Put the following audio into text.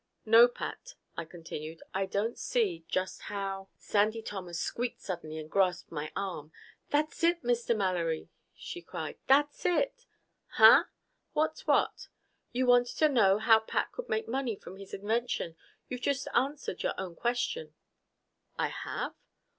"No, Pat," I continued, "I don't see just how " Sandy Thomas squeaked suddenly and grasped my arm. "That's it, Mr. Mallory!" she cried. "That's it!" "Huh? What's what?" "You wanted to know how Pat could make money from his invention. You've just answered your own question." "I have?"